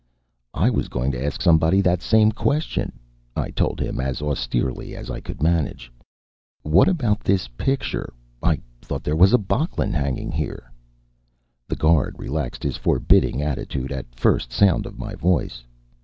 "I was going to ask somebody that same question," I told him as austerely as I could manage. "What about this picture? I thought there was a Böcklin hanging here." The guard relaxed his forbidding attitude at first sound of my voice.